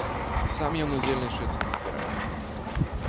І сам ён удзельнічаць не збіраецца.